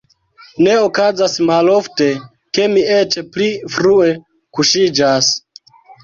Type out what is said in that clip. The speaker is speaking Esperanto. Ne okazas malofte, ke mi eĉ pli frue kuŝiĝas.